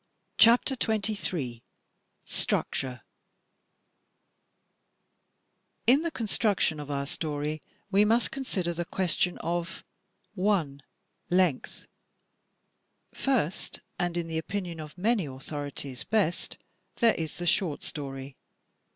CHAPTER XXIII STRUCTURE In the construction of our story we must consider the ques tion of 7. Length Fir^t, and in the opinion of many authorities best, there is the short story.